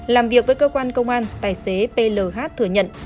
làm việc với cơ quan công an tài xế pl thừa nhận